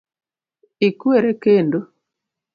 Ikwere kendo.